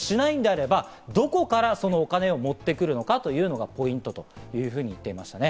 増税をしないのであれば、どこからそのお金を持ってくるのか、というのがポイントと言っていますね。